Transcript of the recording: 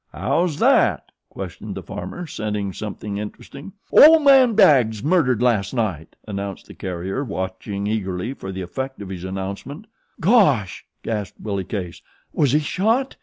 "How's that?" questioned the farmer, scenting something interesting. "Ol' man Baggs's murdered last night," announced the carrier, watching eagerly for the effect of his announcement. "Gosh!" gasped Willie Case. "Was he shot?"